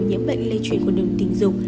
nhiễm bệnh lây truyền qua đường tình dục